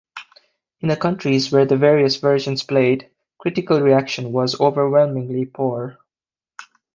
In the countries where the various versions played, critical reaction was overwhelmingly poor.